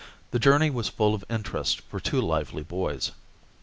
The journey was full of interest for two lively boys.